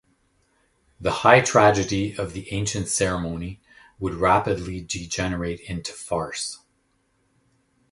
The high tragedy of the ancient ceremony would rapidly degenerate into farce.